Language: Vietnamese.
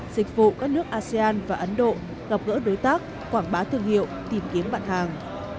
dịch vụ các nước asean và ấn độ gặp gỡ đối tác quảng bá thương hiệu tìm kiếm bạn hàng